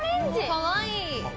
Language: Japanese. かわいい。